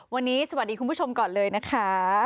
วันนี้สวัสดีคุณผู้ชมก่อนเลยนะคะ